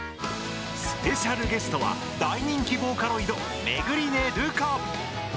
スペシャルゲストは大人気ボーカロイド巡音ルカ。